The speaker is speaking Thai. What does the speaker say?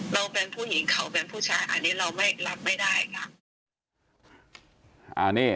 เราเป็นผู้หญิงเขาเป็นผู้ชายอันนี้เราไม่รับไม่ได้ค่ะ